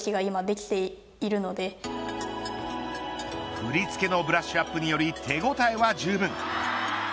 振り付けのブラッシュアップにより手応えはじゅうぶん。